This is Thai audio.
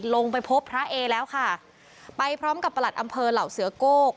ลงไปพบพระเอแล้วค่ะไปพร้อมกับประหลัดอำเภอเหล่าเสือโก้